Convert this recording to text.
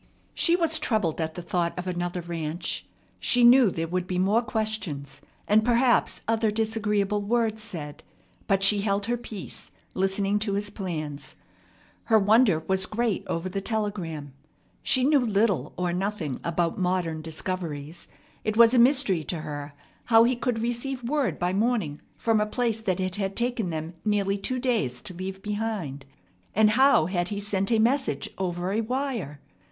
She was troubled at the thought of another ranch. She knew there would be more questions, and perhaps other disagreeable words said; but she held her peace, listening to his plans. Her wonder was great over the telegram. She knew little or nothing about modern discoveries. It was a mystery to her how he could receive word by morning from a place that it had taken them nearly two days to leave behind, and how had he sent a message over a wire?